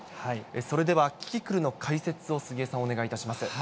それではキキクルの解説を杉江さん、お願いいたします。